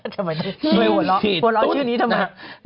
ทำไมนุยหัวเราะหัวเราะชื่อนี้ทำไม